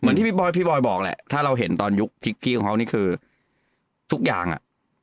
ที่พี่บอยบอกแหละถ้าเราเห็นตอนยุคพิกกี้ของเขานี่คือทุกอย่างอ่ะ